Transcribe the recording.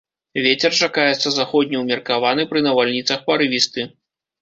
Вецер чакаецца заходні ўмеркаваны, пры навальніцах парывісты.